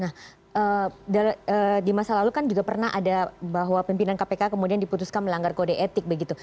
nah di masa lalu kan juga pernah ada bahwa pimpinan kpk kemudian diputuskan melanggar kode etik begitu